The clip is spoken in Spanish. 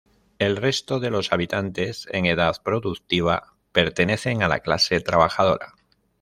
El resto de los habitantes en edad productiva pertenecen a la clase trabajadora.